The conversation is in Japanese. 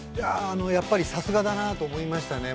◆やっぱりさすがだなと思いましたね。